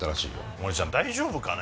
モネちゃん大丈夫かね。